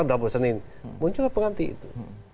berapa senin muncullah penganti itu